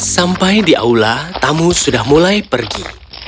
sampai di aula tamu sudah mulai pergi